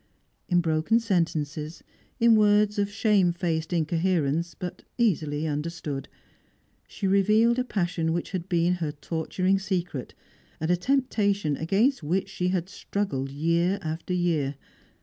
In broken sentences, in words of shamefaced incoherence, but easily understood, she revealed a passion which had been her torturing secret, and a temptation against which she had struggled year after year.